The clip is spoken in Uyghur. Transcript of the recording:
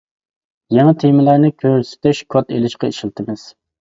يېڭى تېمىلارنى كۆرسىتىش كودى ئېلىشقا ئىشلىتىمىز.